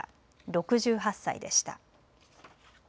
６８歳でした。